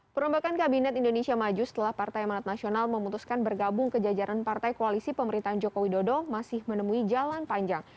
perombakan kabinet indonesia maju setelah partai amanat nasional memutuskan bergabung ke jajaran partai koalisi pemerintahan joko widodo masih menemui jalan panjang